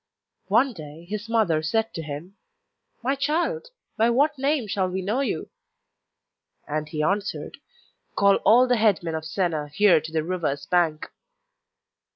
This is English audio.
One day his mother said to him: 'My child, by what name shall we know you?' And he answered: 'Call all the head men of Senna here to the river's bank.